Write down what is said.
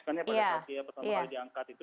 karena pada saat dia pertama kali diangkat itu